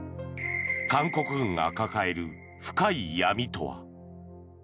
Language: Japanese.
韓国軍が抱える深い闇とは。